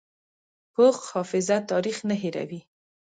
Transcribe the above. پوخ حافظه تاریخ نه هېروي